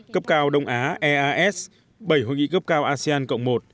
cấp cao đông á eas bảy hội nghị cấp cao asean cộng một